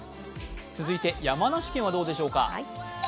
続いて山梨県はどうでしょうか？